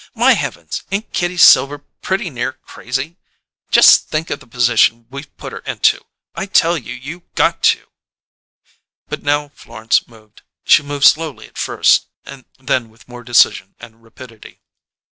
My Heavens! Ain't Kitty Silver pretty near crazy? Just think of the position we've put her into! I tell you, you got to!" But now Florence moved. She moved slowly at first: then with more decision and rapidity.